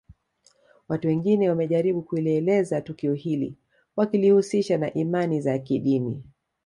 Watu wengine wamejaribu kulielezea tukio hili wakilihusisha na imani za kidini